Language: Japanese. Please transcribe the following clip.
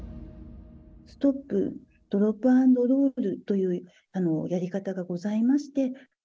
ストップ・ドロップ＆ロールというやり方がございまして。